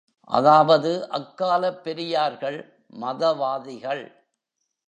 அதாவது அக்காலப் பெரியார்கள் மதவாதிகள்!